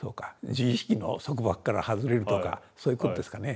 自意識の束縛から外れるとかそういうことですかね。